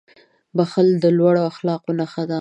• بښل د لوړو اخلاقو نښه ده.